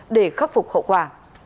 để khắc phục hậu quả